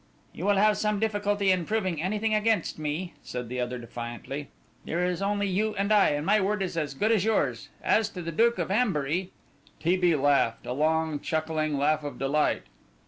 "You will have some difficulty in proving anything against me," said the other defiantly; "there is only you and I, and my word is as good as yours. As to the Duke of Ambury " T. B. laughed, a long chuckling laugh of delight.